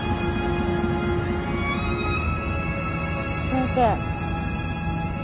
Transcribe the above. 先生。